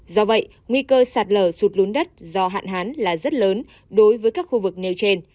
do vậy nguy cơ sạt lở sụt lún đất do hạn hán là rất lớn đối với các khu vực nêu trên